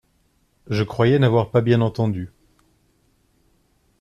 Je croyais n'avoir pas bien entendu.